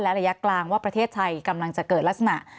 ระยะกลางว่าประเทศไทยกำลังจะเกิดลักษณะ